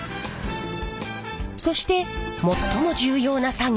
そして最も重要な作業が。